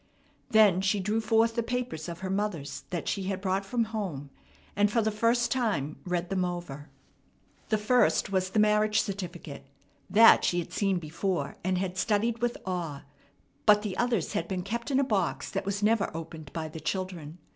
Then she drew forth the papers of her mother's that she had brought from home, and for the first time read them over. The first was the marriage certificate. That she had seen before, and had studied with awe; but the others had been kept in a box that was never opened by the children.